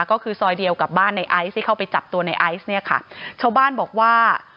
ก็คือซอยเดียวกับบ้านในไอซ์ที่เข้าไปจับตัวในไอซ์เนี่ยค่ะชาวบ้านบอกว่า